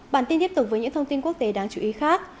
bản tin tiếp tục với những thông tin quốc tế đáng chú ý khác